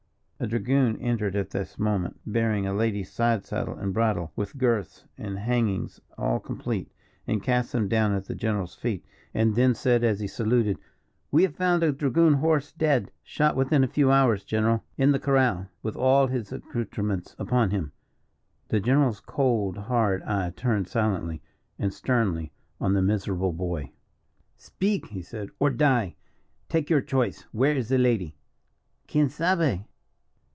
A dragoon entered at this moment, bearing a lady's side saddle and bridle, with girths and hangings all complete, and cast them down at the general's feet; and then said, as he saluted: "We have found a dragoon horse dead shot within a few hours, general in the corral, with all his accoutrements upon him." The general's cold, hard eye turned silently and sternly on the miserable boy. "Speak," he said, "or die. Take your choice. Where is the lady?" "Quien Sabe?"